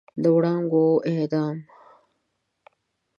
د وړانګو اعدام